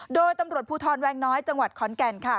โดยตำรวจภูทรแวงน้อยจังหวัดขอนแก่นค่ะ